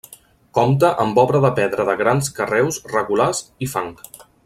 Compta amb obra de pedra de grans carreus regulars i fang.